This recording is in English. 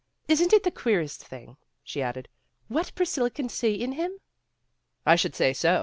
Isn't it the queerest thing," she added, "what Priscilla can see in him?" "I should say so.